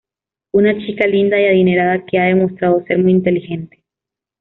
Una chica linda y adinerada que ha demostrado ser muy inteligente.